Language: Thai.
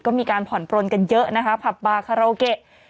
ก็มีการผ่อนปลนกันเยอะนะคะผับบาคาราโอเกะ